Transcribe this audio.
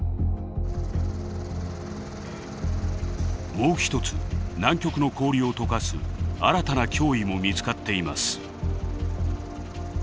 もう一つ南極の氷を解かす新たな脅威も見つかっています。